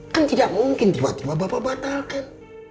kan tidak mungkin tiba tiba bapak batalkan